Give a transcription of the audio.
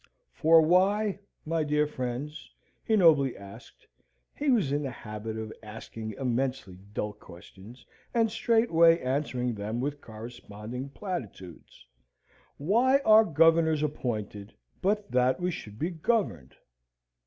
"For why, my dear friends," he nobly asked (he was in the habit of asking immensely dull questions, and straightway answering them with corresponding platitudes), "why are governors appointed, but that we should be governed?